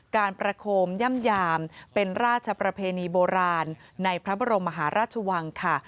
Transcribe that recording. การประโคมย่ำยามเป็นราชประเพณีโบราณในพระบรมมหาราชวังค่ะ